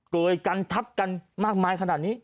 เกยกันทับกันมากมายขนาดนี้